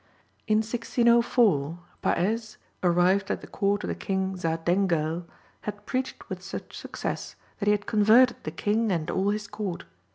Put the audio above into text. In 1604, Paez, arrived at the court of the king Za Denghel, had preached with such success that he had converted the king and all his court.